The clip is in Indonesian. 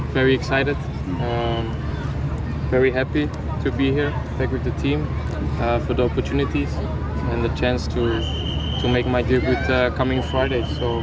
saya sangat teruja sangat senang untuk berada di sini bersama tim untuk kesempatan dan kesempatan untuk membuat debut saya pada hari selamat